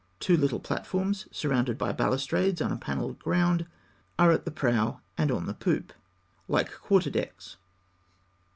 Two little platforms surrounded by balustrades on a panelled ground are at the prow and on the poop, like quarter decks.